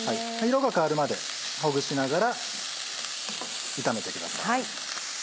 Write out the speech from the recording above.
色が変わるまでほぐしながら炒めてください。